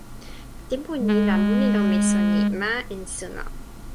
tenpo ni la mun li lon meso ni: ma en suno.